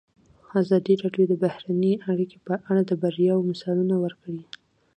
ازادي راډیو د بهرنۍ اړیکې په اړه د بریاوو مثالونه ورکړي.